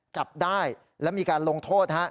จับได้แล้วมีการลงโทษ